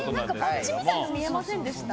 バッジみたいなの見えませんでした？